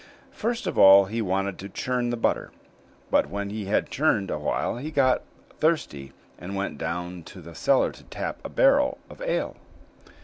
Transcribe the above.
First of all he wanted to churn the butter; but when he had churned a while he got thirsty, and went down to the cellar to tap a barrel of ale.